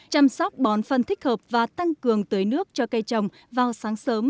chăm sóc bón phân thích hợp và tăng cường tưới nước cho cây trồng vào sáng sớm